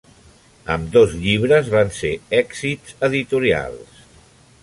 Ambdós llibres van ser èxits editorials.